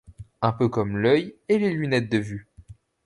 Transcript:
Un peu comme l'œil et les lunettes de vue.